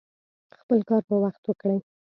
خپل کار په وخت وکړئ